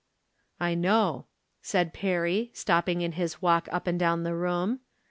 "I know," said Perry, stopping in his walk up and down the room.